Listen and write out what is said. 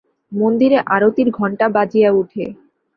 মন্দিরে আরতির ঘণ্টা বাজিয়া ওঠে।